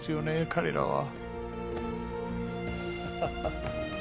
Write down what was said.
彼らは。